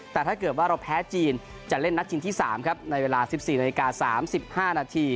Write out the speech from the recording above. แต่ถ้าเกิดว่าเราแพ้จีนจะเล่นนัดชิงที่๓ครับในเวลา๑๔นาฬิกา๓๕นาที